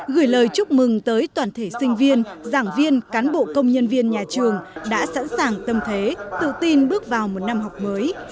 gửi lời chúc mừng tới toàn thể sinh viên giảng viên cán bộ công nhân viên nhà trường đã sẵn sàng tâm thế tự tin bước vào một năm học mới